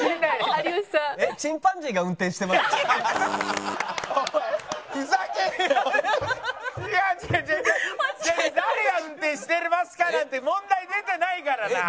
「誰が運転してますか？」なんて問題出てないからな。